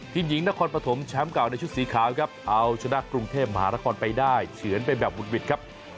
ทีมหญิงนครปฐมแชมป์เก่าในชุดสีขาวครับเอาชนะกรุงเทพมหานครไปได้เฉือนไปแบบวุดหวิดครับ